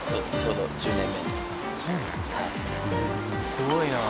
すごいなあ。